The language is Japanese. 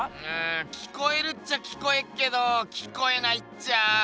うん聞こえるっちゃ聞こえっけど聞こえないっちゃ。